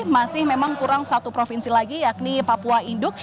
masih memang kurang satu provinsi lagi yakni papua induk